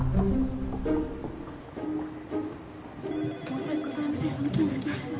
申し訳ございません。